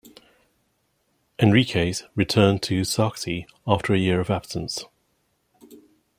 Enriquez returned to "Saksi" after a year of absence.